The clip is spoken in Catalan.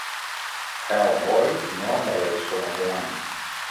Hellboy no envelleix com els humans.